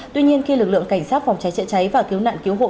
tuy nhiên khi lực lượng cảnh sát phòng cháy chữa cháy và cứu nạn cứu hộ